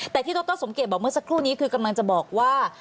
แต่ที่ดรสมเกตบอกเมื่อสักครู่นี้คือกำลังจะบอกว่า